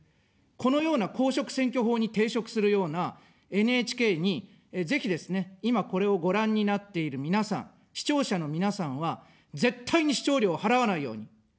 このような公職選挙法に抵触するようなＮＨＫに、ぜひですね、今、これをご覧になっている皆さん、視聴者の皆さんは、絶対に視聴料を払わないように。